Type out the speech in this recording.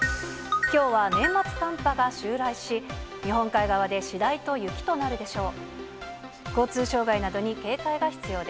きょうは年末寒波が襲来し、日本海側で次第に雪となるでしょう。